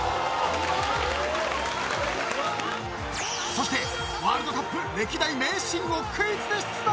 ［そしてワールドカップ歴代名シーンをクイズで出題］